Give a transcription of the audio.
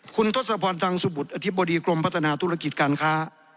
คุณทศพรทางสมุทรอธิบดีกรมพัฒนาธุรกิจการค้า